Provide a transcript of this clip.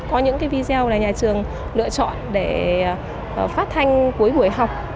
có những cái video là nhà trường lựa chọn để phát thanh cuối buổi học